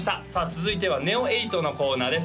続いてはＮＥＯ８のコーナーです